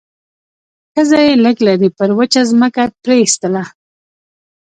ښځه يې لږ لرې پر وچه ځمکه پرېيستله.